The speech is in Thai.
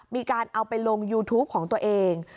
มีการเอาไปลงยูทูปของตัวเอง